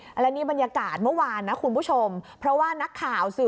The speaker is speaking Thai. และนี่บรรยากาศเมื่อวานนะคุณผู้ชมเพราะว่านักข่าวสื่อ